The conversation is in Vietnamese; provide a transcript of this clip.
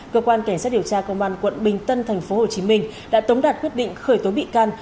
cơ quan cảnh sát điều tra công an quận bình tân tp hcm đã tống đạt quyết định khởi tố bị can